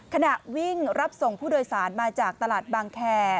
ขณะวิ่งรับส่งผู้โดยสารมาจากตลาดบางแคร์